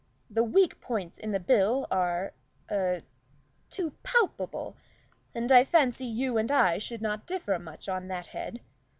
The weak points in that Bill are a too palpable, and I fancy you and I should not differ much on that head.